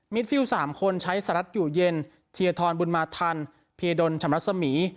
มิตรฟิวสามคนใช้ศาลักษณ์อยู่เย็นเทียทรบุญมาทันเพียดลชำรัศมี